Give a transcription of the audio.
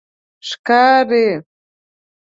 ښکاری